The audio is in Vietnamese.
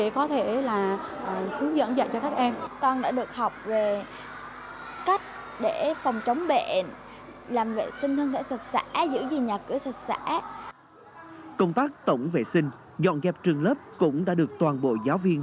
công tác tổng vệ sinh dọn dẹp trường lớp cũng đã được toàn bộ giáo viên